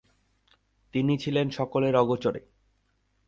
তিনি ছিলেন সকলে অগোচরে।